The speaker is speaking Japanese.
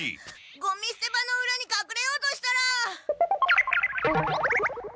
ごみすて場のうらに隠れようとしたら。